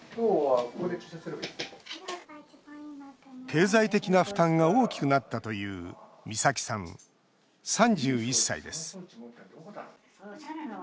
経済的な負担が大きくなったという美咲さん、３１歳です。